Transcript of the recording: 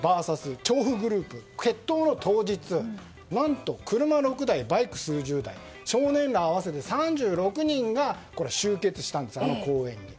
調布グループ決闘の当日、何と車６台バイク数十台、少年ら合わせて３６人が集結したんです、公園に。